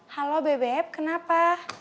halo beb kenapa